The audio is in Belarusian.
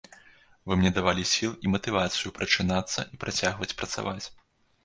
Вы мне давалі сілы і матывацыю прачынацца і працягваць працаваць.